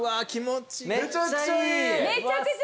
めちゃくちゃいい。